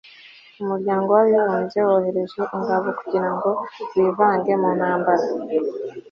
umuryango w'abibumbye wohereje ingabo kugira ngo zivange mu ntambara